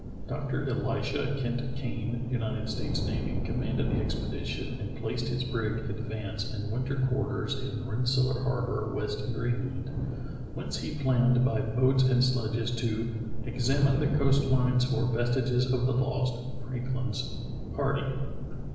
Doc tor Elisha Kent Kane, United States Navy, commanded the expedition, and placed his brig Advance in win ter quarters in Rensselaer Harbor, West Greenland, whence he planned by boats and sledges to "exam ine the coast lines for vestiges of the lost (Frankhn's) party."